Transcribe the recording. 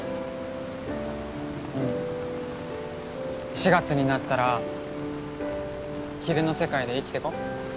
４月になったら昼の世界で生きてこう。